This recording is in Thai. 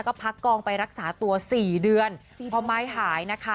ก็พักกองไปรักษาตัวสี่เดือนพอไม้หายนะคะ